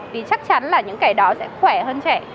vì chắc chắn là những kẻ đó sẽ khỏe hơn trẻ